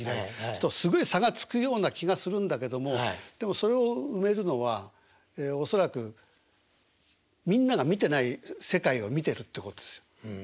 するとすごい差がつくような気がするんだけどもでもそれを埋めるのは恐らくみんなが見てない世界を見てるってことですよ。